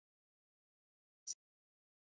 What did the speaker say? La historia transcurre en un futuro cercano.